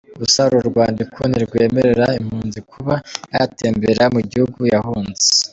Gusa uru rwandiko ntirwemerera impunzi kuba yatemberera mu gihugu yahunze.